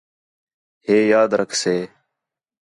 ہے یاد رکھسے